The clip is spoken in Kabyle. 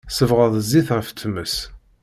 Sebɛed zzit ɣef tmes.